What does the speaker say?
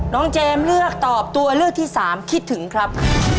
เจมส์เลือกตอบตัวเลือกที่สามคิดถึงครับ